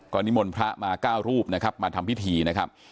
นิมนต์พระมา๙รูปนะครับมาทำพิธีนะครับ